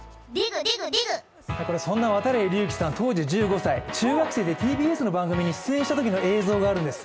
そんな度会隆輝さん、当時１５歳中学生でＴＢＳの番組に出演したときの映像があるんです。